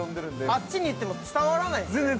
◆あっちに行っても、伝わらないんですね。